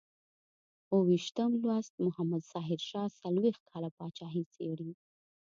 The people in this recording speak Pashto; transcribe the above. اوو ویشتم لوست محمد ظاهر شاه څلویښت کاله پاچاهي څېړي.